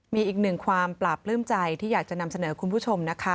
มีอีกหนึ่งความปราบปลื้มใจที่อยากจะนำเสนอคุณผู้ชมนะคะ